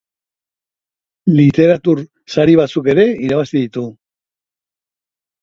Literatur sari batzuk ere irabazi ditu.